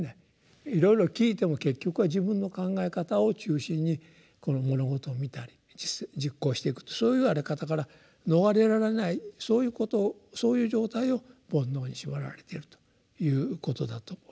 いろいろ聞いても結局は自分の考え方を中心に物事を見たり実行していくとそういうあり方から逃れられないそういう状態を「煩悩」に縛られているということだと私は思います。